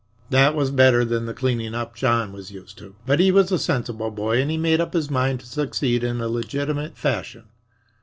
That was better than the cleaning up John was used to. But he was a sensible boy and had made up his mind to succeed in a legitimate fashion.